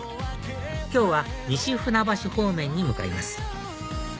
今日は西船橋方面に向かいます